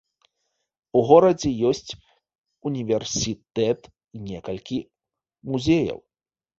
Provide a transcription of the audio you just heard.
У горадзе ёсць універсітэт і некалькі музеяў.